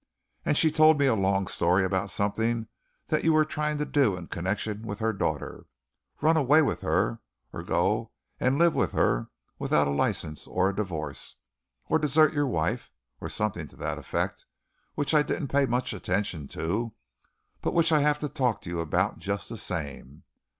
"And she told me a long story about something that you were trying to do in connection with her daughter run away with her, or go and live with her without a license or a divorce, or desert your wife, or something to that effect, which I didn't pay much attention to, but which I have to talk to you about just the same.